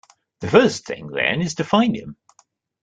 The first thing, then, is to find him.